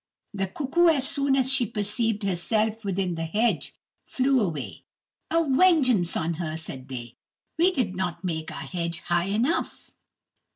The Cuckoo, as soon as she perceived herself within the hedge, flew away. "A vengeance on her!" said they. "We did not make our hedge high enough."